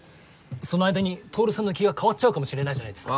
その間に亨さんの気が変わっちゃうかもしれないじゃないですか。